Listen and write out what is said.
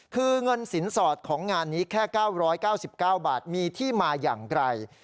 คือเงินสินสอดของงานนี้แค่๙๙๙บาทมีที่มาอย่างไกล